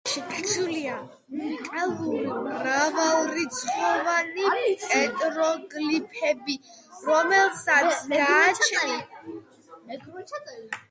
პარკში დაცულია უნიკალური მრავალრიცხოვანი პეტროგლიფები, რომელსაც გააჩნია უდიდესი კულტურული და ისტორიული ღირებულება.